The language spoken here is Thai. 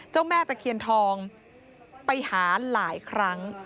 แม่ตะเคียนทองไปหาหลายครั้ง